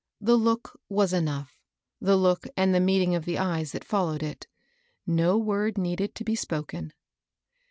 The look was enough, — the look and the meet ing of the eyes that followed it; no word needed to be spoken.